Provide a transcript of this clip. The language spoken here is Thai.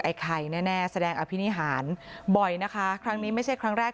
ไอไข่แน่แน่แสดงอภินิหารบ่อยนะคะครั้งนี้ไม่ใช่ครั้งแรก